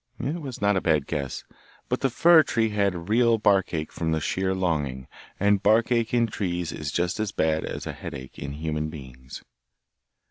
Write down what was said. It was not a bad guess, but the fir tree had real bark ache from sheer longing, and bark ache in trees is just as bad as head ache in human beings.